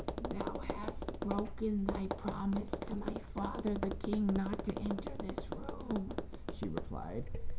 "Thou hast broken thy promise to my father, the king, not to enter this room," she replied.